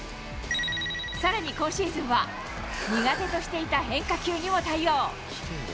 さらに今シーズンは、苦手としていた変化球にも対応。